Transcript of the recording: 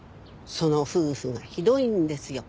その夫婦がひどいんですよ。